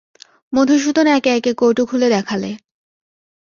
মধুসূদন একে একে কৌটো খুলে দেখালে।